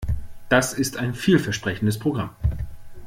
Das ist ein vielversprechendes Programm.